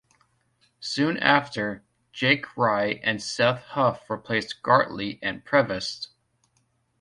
Soon after Jake Rye and Seth Huff replaced Gartley and Prevost.